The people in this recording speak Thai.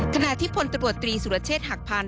ขณะที่ผลตรวจตรีสุรเชษหักผ่าน